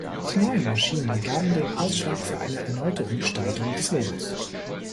Die neuen Maschinen gaben den Ausschlag für eine erneute Umgestaltung des Logos.